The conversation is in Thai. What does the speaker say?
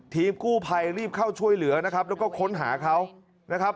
ทีมกู้ภัยรีบเข้าช่วยเหลือแล้วก็ค้นหาเขา